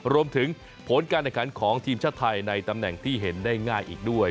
รวมถึงผลการแข่งขันของทีมชาติไทยในตำแหน่งที่เห็นได้ง่ายอีกด้วย